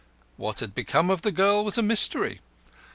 What had become of the girl was a mystery.